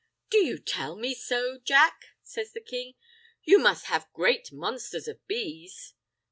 "Do you tell me so, Jack?" says the king. "You must have great monsthers of bees."